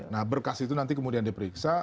nah berkas itu nanti kemudian diperiksa